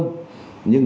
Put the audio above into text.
nhưng đồng ý